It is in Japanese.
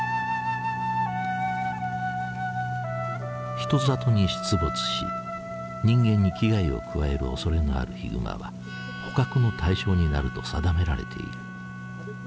人里に出没し人間に危害を加えるおそれのあるヒグマは捕獲の対象になると定められている。